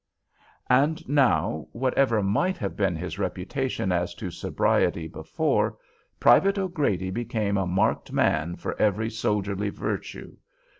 And now, whatever might have been his reputation as to sobriety before, Private O'Grady became a marked man for every soldierly virtue.